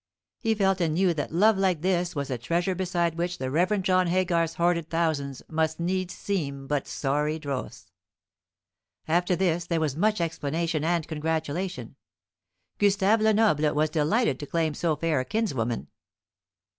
He felt and knew that love like this was a treasure beside which the Reverend John Haygarth's hoarded thousands must needs seem but sorry dross. After this there was much explanation and congratulation. Gustave Lenoble was delighted to claim so fair a kinswoman.